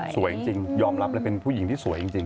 สวยจริงยอมรับเลยเป็นผู้หญิงที่สวยจริง